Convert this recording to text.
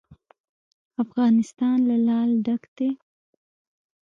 افغانستان له لعل ډک دی.